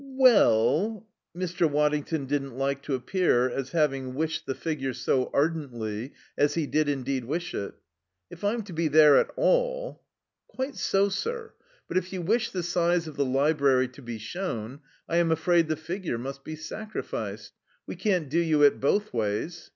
"We ell " Mr. Waddington didn't like to appear as having wished the figure so ardently as he did indeed wish it. "If I'm to be there at all " "Quite so, sir. But if you wish the size of the library to be shown, I am afraid the figure must be sacrificed. We can't do you it both ways.